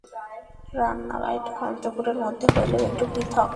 রান্নাবাড়িটা অন্তঃপুরের মধ্যে হইলেও একটু পৃথক।